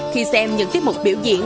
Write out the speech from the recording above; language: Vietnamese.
khi xem những tiết mục biểu diễn